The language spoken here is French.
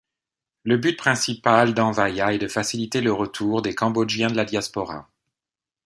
Le but principal d’Anvaya est de faciliter le retour des Cambodgiens de la diaspora.